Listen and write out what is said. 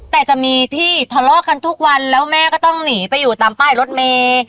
แต่จะมีที่ทะเลาะกันทุกวันแล้วแม่ก็ต้องหนีไปอยู่ตามป้ายรถเมย์